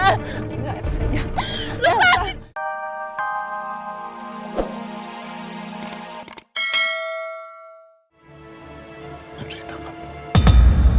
tidak elsa jangan